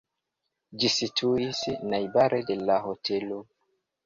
Ĝi situis najbare de la hotelo.